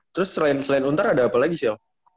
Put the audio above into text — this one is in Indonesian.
terus selain untar ada apa lagi chef